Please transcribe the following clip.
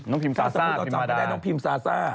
น้องพิมพ์ซาซ่าพิมมาดา